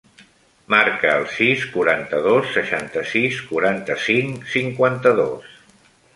Marca el sis, quaranta-dos, seixanta-sis, quaranta-cinc, cinquanta-dos.